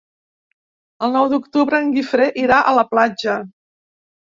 El nou d'octubre en Guifré irà a la platja.